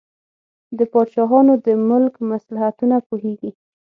د پاچاهانو د ملک مصلحتونه پوهیږي.